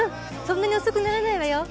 そんなに遅くならないわよ。